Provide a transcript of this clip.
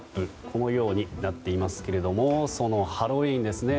このようになっていますけれどもそのハロウィーンですね。